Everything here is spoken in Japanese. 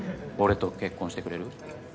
俺と結婚してくれる？